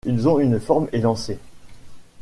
Ils ont une forme élancée.